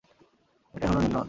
এটাই হলো নীল নদ।